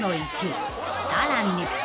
［さらに］